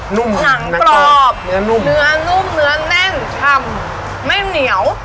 ุ่มหนังกรอบเนื้อนุ่มเนื้อนุ่มเนื้อแน่นชำไม่เหนียว